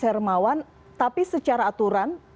bermawan tapi secara aturan